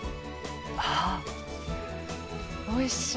あおいしい。